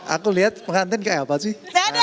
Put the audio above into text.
aku lihat pengantin kayak apa sih